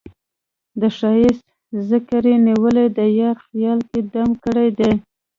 د ښــــــــایست ذکر یې نیولی د یار خیال یې دم ګړی دی